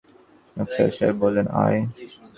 আফসার সাহেব বললেন, আয়।